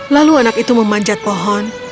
lalu anak itu memanjat pohon